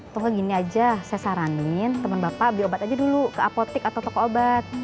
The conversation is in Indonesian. pokoknya gini aja saya saranin temen bapak beli obat aja dulu ke apotik atau toko obat